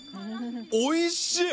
おいしい！